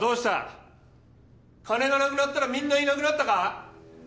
金がなくなったらみんないなくなったか？